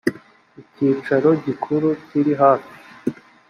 icyicaro gikuru kiri hafi